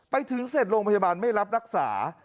ไปถึงเสร็จโรงพยาบาลไม่รับรักษา